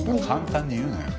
簡単に言うなよ。